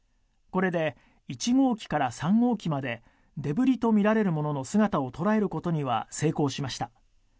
これで１号機から３号機までデブリとみられるものの姿を捉えることには成功しました。